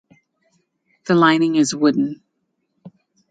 The lining is wooden.